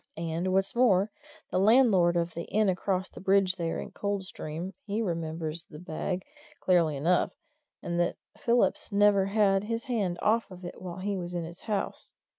And what's more, the landlord of the inn across the bridge there at Coldstream he remembers the bag, clearly enough, and that Phillips never had his hand off it while he was in his house.